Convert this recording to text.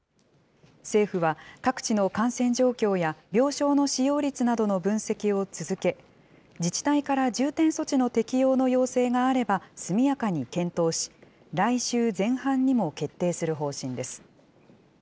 政府は、各地の感染状況や、病床の使用率などの分析を続け、自治体から重点措置の適用の要請があれば、速やかに検討し、来週前半にも決定する方針です。